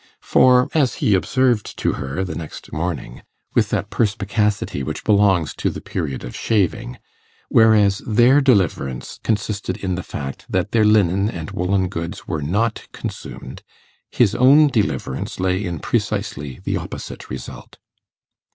For, as he observed to her the next morning, with that perspicacity which belongs to the period of shaving, whereas their deliverance consisted in the fact that their linen and woollen goods were not consumed, his own deliverance lay in precisely the opposite result.